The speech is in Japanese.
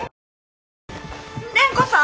蓮子さん！